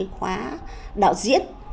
khóa đạo diễn